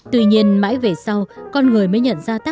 tuy nhiên mãi về sau con người mới nhận ra những lợi ích của tia x